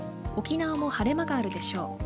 沖縄も晴れ間があるでしょう。